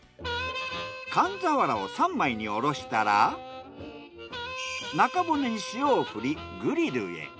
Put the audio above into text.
寒ザワラを三枚におろしたら中骨に塩を振りグリルへ。